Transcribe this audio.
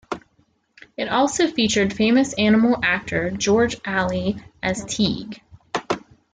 It also featured famous animal actor George Ali as Tige.